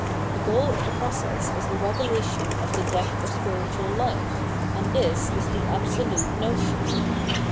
The goal of the process is the revelation of the depth of spiritual hfe, and this is the Absolute Notion.